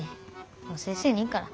もう先生に言うから。